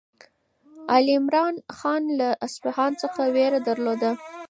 علیمردان خان له اصفهان څخه وېره درلوده.